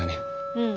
うん。